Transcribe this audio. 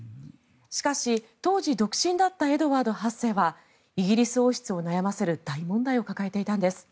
しかし、当時独身だったエドワード８世はイギリス王室を悩ませる大問題を抱えていたんです。